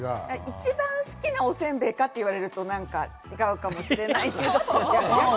一番好きなおせんべいかと言われると違うかもしれないけど。